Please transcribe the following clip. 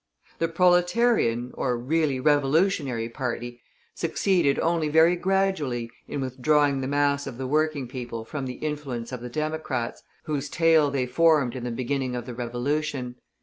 The Proletarian, or really Revolutionary party, succeeded only very gradually in withdrawing the mass of the working people from the influence of the Democrats, whose tail they formed in the beginning of the Revolution.